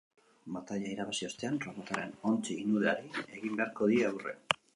Bataila irabazi ostean robotaren ontzi inudeari egin beharko die aurre.